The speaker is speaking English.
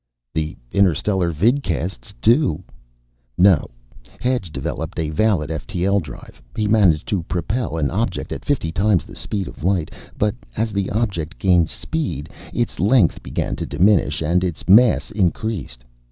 "The interstellar vidcasts do! No, Hedge developed a valid ftl drive. He managed to propel an object at fifty times the speed of light. But as the object gained speed, its length began to diminish and its mass increased.